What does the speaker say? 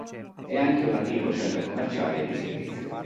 È anche un attivo centro commerciale e di servizi.